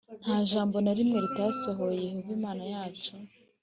nta jambo na rimwe ritasohoye Yehova Imana yacu